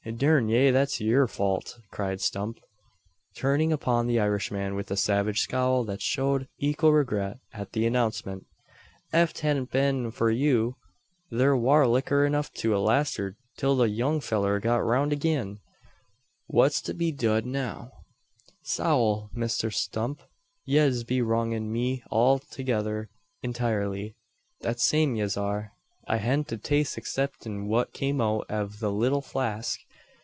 "Durn ye, that's yur fault," cried Stump, turning upon the Irishman with a savage scowl that showed equal regret at the announcement. "Eft hadn't a been for you, thur war licker enough to a lasted till the young fellur got roun' agin. What's to be dud now?" "Sowl, Misther Stump! yez be wrongin' me althegither intirely. That same yez are. I hadn't a taste exciptin what came out av the little flask.